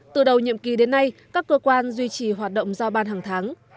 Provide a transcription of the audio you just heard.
từ đầu nhiệm kỳ đến nay các cơ quan duy trì hoạt động giao ban hàng tháng